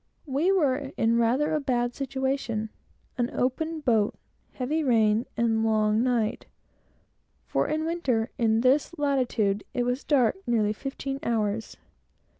We were in rather a bad situation: an open boat, a heavy rain, and a long night; for in winter, in this latitude, it was dark nearly fifteen hours.